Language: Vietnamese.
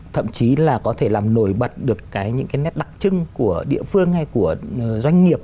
thậm chí là có thể làm nổi bật được những cái nét đặc trưng của địa phương hay của doanh nghiệp